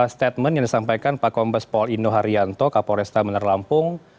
statement yang disampaikan pak kompes paul indo haryanto kapolresta menerlampung